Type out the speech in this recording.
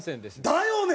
だよね？